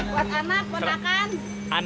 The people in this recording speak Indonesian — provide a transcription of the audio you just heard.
buat anak buat makan